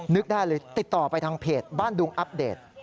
นึกได้เลยติดต่อไปทางเพจบ้านดุงอัปเดต